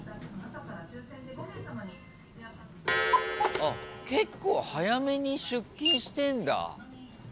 あっ結構早めに出勤してんだ。